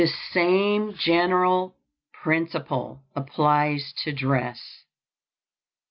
This same general principle applies to dress.